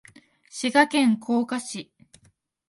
滋賀県甲賀市